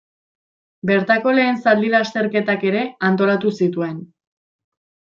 Bertako lehen zaldi-lasterketak ere antolatu zituen.